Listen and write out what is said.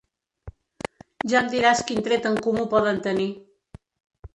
Ja em diràs quin tret en comú poden tenir.